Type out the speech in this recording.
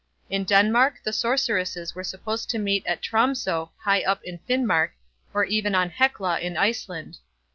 In Denmark, the sorceresses were supposed to meet at Tromsoe high up in Finmark, or even on Heckla in Iceland.